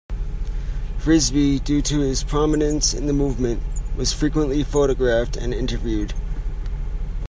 Frisbee, due to his prominence in the movement, was frequently photographed and interviewed.